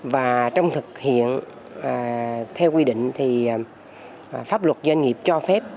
và trong thực hiện theo quy định thì pháp luật doanh nghiệp cho phép